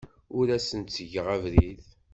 Ur asen-ttgeɣ abrid.